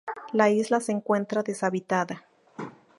La isla se encuentra deshabitada.